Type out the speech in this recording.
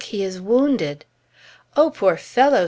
he is wounded!" "Oh, poor fellow!"